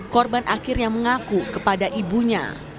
korban akhirnya mengaku kepada ibunya